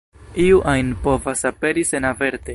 Iu ajn povas aperi senaverte.